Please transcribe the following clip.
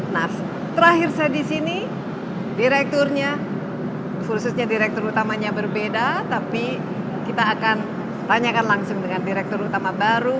nah terakhir saya disini direkturenya khususnya direktor utamanya berbeda tapi kita akan tanyakan langsung dengan direktur utama baru